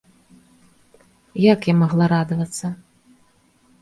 Як я магла радавацца?